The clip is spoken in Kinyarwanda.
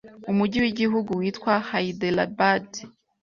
umujyi y’igihugu witwa Hyderabad